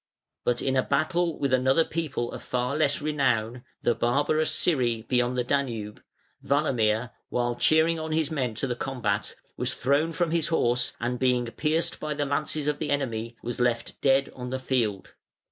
But in a battle with another people of far less renown, the barbarous Scyri beyond the Danube, Walamir, while cheering on his men to the combat, was thrown from his horse and being pierced by the lances of the enemy was left dead on the field.